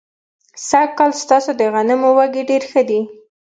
سږ کال ستاسو د غنمو وږي ډېر ښه دي.